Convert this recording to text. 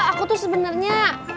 aku tuh sebenernya